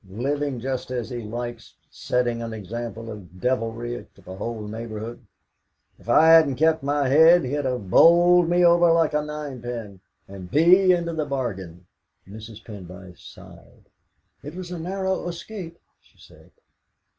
Living just as he likes, setting an example of devilry to the whole neighbourhood! If I hadn't kept my head he'd have bowled me over like a ninepin, and Bee into the bargain." Mrs. Pendyce sighed. "It was a narrow escape," she said.